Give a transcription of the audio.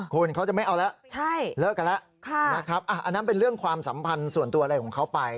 คุณเขาจะไม่เอาแล้วเลิกกันแล้วนะครับอันนั้นเป็นเรื่องความสัมพันธ์ส่วนตัวอะไรของเขาไป